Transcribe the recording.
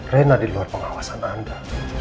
rena di luar pengawasan anda